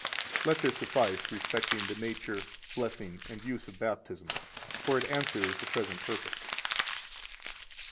Let this suffice respecting the nature, blessing, and use of Baptism, for it answers the present purpose.